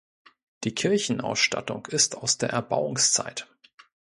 Die Kirchenausstattung ist aus der Erbauungszeit.